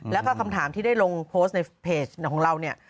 แล้วก็คำถามที่ได้ลงโพสต์ในเพจของเราเนี่ย